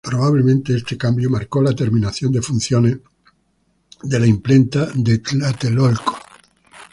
Probablemente este cambio marcó la terminación de funciones de la imprenta de Tlatelolco.